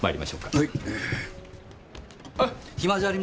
はい。